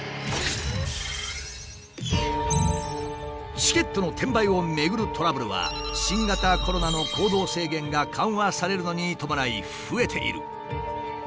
チケットの転売をめぐるトラブルは新型コロナの行動制限が緩和されるのに伴い増えている。